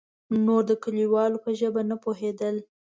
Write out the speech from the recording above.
نور د کليوالو په ژبه نه پوهېدل.